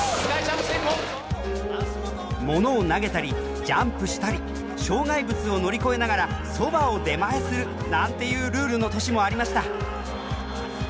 ものを投げたりジャンプしたり障害物を乗り越えながらそばを出前するなんていうルールの年もありました。